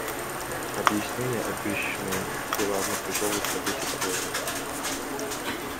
Объяснение, обещанное им, было одно тяжелое событие того времени.